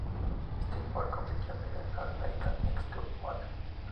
Stewart compitió en el de "America's Next Top Model".